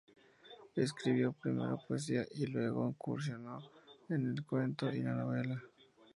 Escribió primero poesía y luego incursionó en el cuento y la novela.